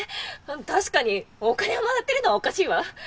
確かにお金をもらってるのはおかしいわ。